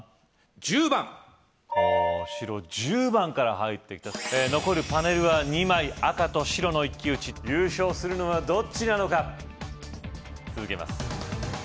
１０番ほう白１０番から入ってきた残るパネルは２枚赤と白の一騎打ち優勝するのはどっちなのか続けます